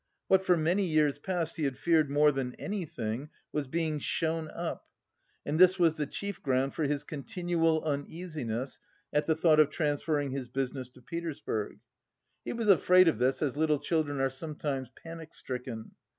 What for many years past he had feared more than anything was being shown up and this was the chief ground for his continual uneasiness at the thought of transferring his business to Petersburg. He was afraid of this as little children are sometimes panic stricken.